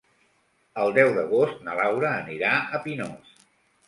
El deu d'agost na Laura anirà a Pinós.